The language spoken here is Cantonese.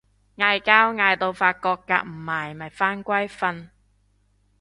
嗌交嗌到發覺夾唔埋咪返歸瞓